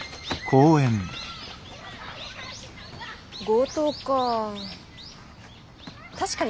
強盗か。